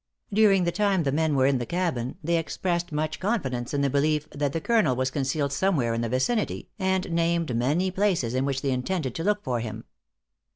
During the time the men were in the cabin, they expressed much confidence in the belief that the Colonel was concealed somewhere in the vicinity, and named many places in which they intended to look for him.